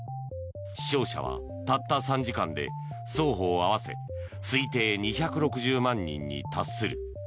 死傷者はたった３時間で双方合わせ推定２６０万人に達する。